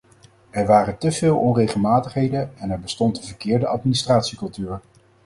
Er waren te veel onregelmatigheden en er bestond een verkeerde administratiecultuur.